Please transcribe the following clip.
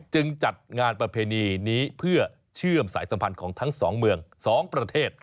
จัดงานประเพณีนี้เพื่อเชื่อมสายสัมพันธ์ของทั้งสองเมือง๒ประเทศ